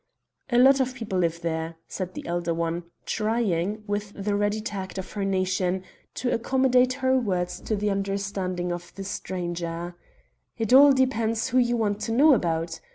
"A lot of people live there," said the elder one, trying, with the ready tact of her nation, to accommodate her words to the understanding of the stranger. "It all depends who you want to know about.